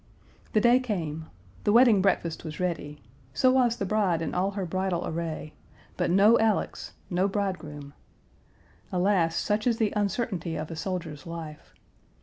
"The day came. The wedding breakfast was ready, so was the bride in all her bridal array; but no Alex, no bridegroom. Alas! such is the uncertainty of a soldier's life.